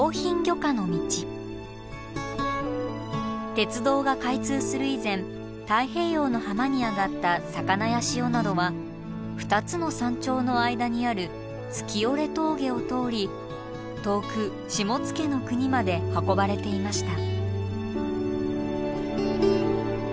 鉄道が開通する以前太平洋の浜に揚がった魚や塩などは２つの山頂の間にある月居峠を通り遠く下野国まで運ばれていました。